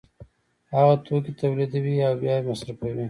هغه توکي تولیدوي او بیا یې مصرفوي